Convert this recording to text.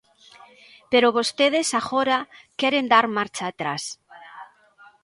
Pero vostedes agora queren dar marcha atrás.